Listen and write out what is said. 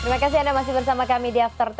terima kasih anda masih bersama kami di after sepuluh